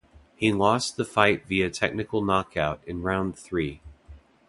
He lost the fight via technical knockout in round three.